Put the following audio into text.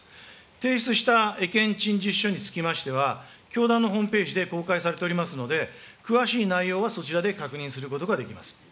提出した意見陳述書につきましては、教団のホームページで公開されておりますので、詳しい内容はそちらで確認することができます。